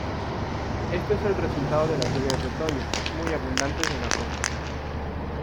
Esto es el resultado de las lluvias de otoño, muy abundantes en la cuenca.